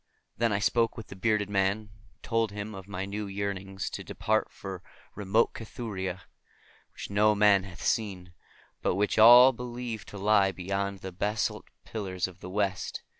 Then I spoke with the bearded man, and told him of my new yearnings to depart for remote Cathuria, which no man hath seen, but which all believe to lie beyond the basalt pillars of the West.